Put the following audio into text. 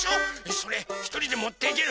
それひとりでもっていける？